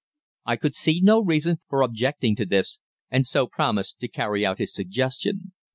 I could see no reason for objecting to this, and so promised to carry out his suggestion.